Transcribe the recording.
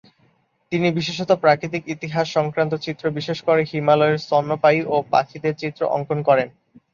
তিনি বিশেষত প্রাকৃতিক ইতিহাস সংক্রান্ত চিত্র, বিশেষ করে হিমালয়ের স্তন্যপায়ী ও পাখিদের চিত্র অঙ্কন করেন।